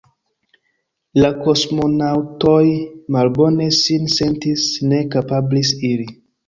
La kosmonaŭtoj malbone sin sentis, ne kapablis iri.